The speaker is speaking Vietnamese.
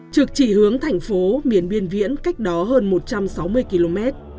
trực chỉ hướng thành phố miền biên viễn cách đó hơn một trăm sáu mươi km